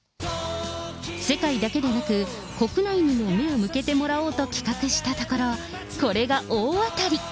世界だけでなく、国内にも目を向けてもらおうと企画したところ、これが大当たり。